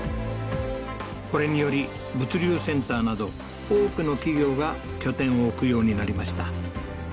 これにより物流センターなど多くの企業が拠点を置くようになりました